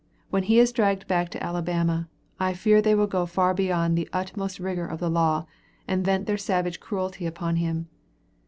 When he is dragged back to Alabama, I fear they will go far beyond the utmost rigor of the law, and vent their savage cruelty upon him.